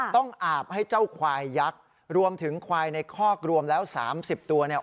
อาบให้เจ้าควายยักษ์รวมถึงควายในคอกรวมแล้ว๓๐ตัวเนี่ย